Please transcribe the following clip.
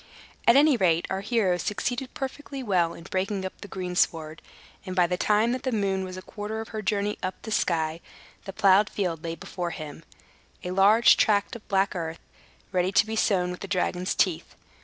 At any rate, our hero succeeded perfectly well in breaking up the greensward; and, by the time that the moon was a quarter of her journey up the sky, the plowed field lay before him, a large tract of black earth, ready to be sown with the dragon's teeth.